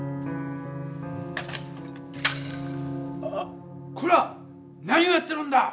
あぁ。こら！何をやっとるんだ！